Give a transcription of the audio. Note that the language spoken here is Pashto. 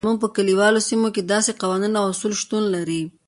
زموږ په کلیوالو سیمو کې داسې قوانین او اصول شتون لري.